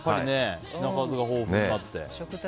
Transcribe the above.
品数が豊富になって。